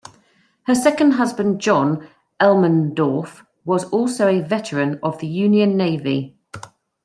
Her second husband John Elmendorf was also a veteran of the Union Navy.